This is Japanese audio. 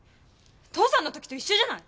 父さんの時と一緒じゃない！